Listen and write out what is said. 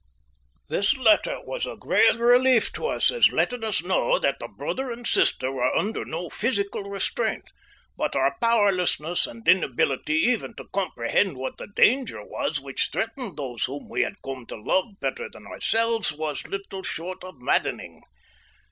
This letter was a great relief to us as letting us know that the brother and sister were under no physical restraint, but our powerlessness and inability even to comprehend what the danger was which threatened those whom we had come to love better than ourselves was little short of maddening.